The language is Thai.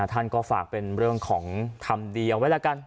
ท่านก็ฝากเป็นเรื่องของทำดีเอาไว้แล้วกัน